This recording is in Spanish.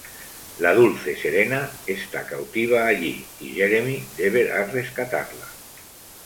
La dulce Serena está cautiva allí y Jeremy deberá rescatarla.